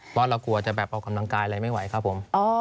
เพราะเรากลัวจะแบบออกกำลังกายอะไรไม่ไหวครับผม